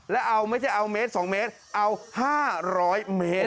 แล้วเอาไม่ใช่เอาเมตร๒เมตรเอา๕๐๐เมตร